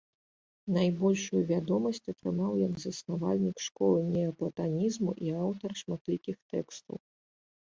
Найбольшую вядомасць атрымаў як заснавальнік школы неаплатанізму і аўтар шматлікіх тэкстаў.